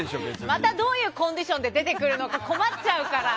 またどういうコンディションで出てくるのか困っちゃうから。